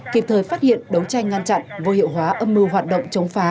kịp thời phát hiện đấu tranh ngăn chặn vô hiệu hóa âm mưu hoạt động chống phá